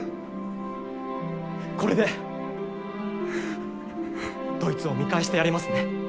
これでドイツを見返してやれますね。